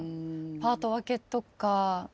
パート分けとか。